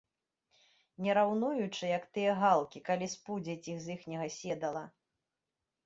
Не раўнуючы, як тыя галкі, калі спудзяць іх з іхняга седала.